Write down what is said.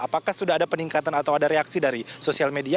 apakah sudah ada peningkatan atau ada reaksi dari sosial media